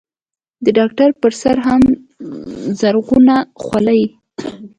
د ډاکتر پر سر هم زرغونه خولۍ.